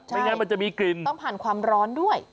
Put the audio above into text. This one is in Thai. ไม่งั้นมันจะมีกลิ่นต้องผ่านความร้อนด้วย